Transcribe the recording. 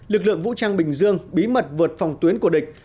lực lượng vũ trang bình dương bí mật vượt phòng tuyến của địch